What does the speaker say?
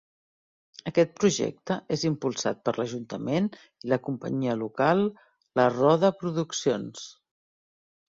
Aquest projecte és impulsat per l’Ajuntament i la companyia local La Roda Produccions.